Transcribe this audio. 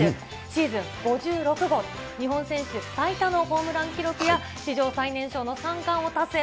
シーズン５６号、日本選手最多のホームラン記録や、史上最年少の三冠王を達成。